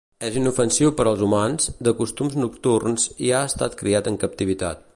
És inofensiu per als humans, de costums nocturns i ha estat criat en captivitat.